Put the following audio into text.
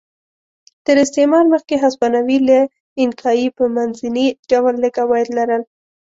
تر استعمار مخکې هسپانوي له اینکایي په منځني ډول لږ عواید لرل.